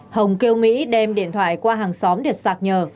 hồng kêu mỹ đem điện thoại qua hàng xóm để sạc nhờ